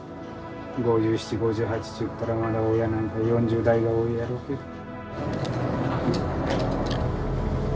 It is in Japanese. ５７５８ちゅったらまだ親なんか４０代が多いだろうに。